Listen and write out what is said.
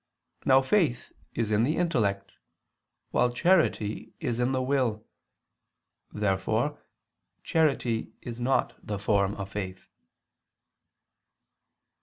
Now faith is in the intellect, while charity is in the will. Therefore charity is not the form of faith.